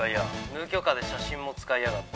「無許可で写真も使いやがって」